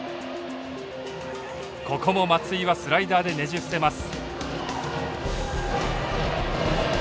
ここも松井はスライダーでねじ伏せます。